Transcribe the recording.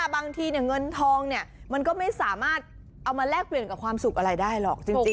บางทีเงินทองมันก็ไม่สามารถเอามาแลกเปลี่ยนกับความสุขอะไรได้หรอกจริง